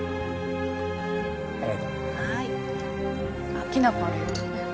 あっきな粉あるよ。